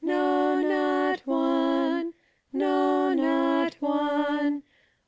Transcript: no, not one I no, not one !